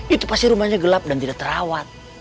itu pasti rumahnya gelap dan tidak terawat